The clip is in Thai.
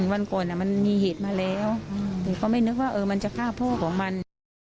วันก่อนมันมีเหตุมาแล้วแต่เขาไม่นึกว่ามันจะฆ่าพ่อของมัน